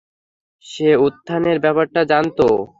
সে উত্থানের ব্যাপারটা জানতো।